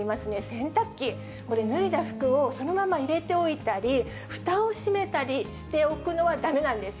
洗濯機、これ、脱いだ服をそのまま入れておいたり、ふたを閉めたりしておくのはだめなんです。